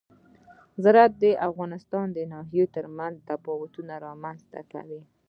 زراعت د افغانستان د ناحیو ترمنځ تفاوتونه رامنځ ته کوي.